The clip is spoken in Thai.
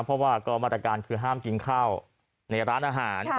เพราะว่าก็มาตรการคือห้ามกินข้าวในร้านอาหาร